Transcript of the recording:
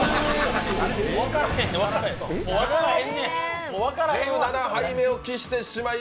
分からへん、分からへんわ。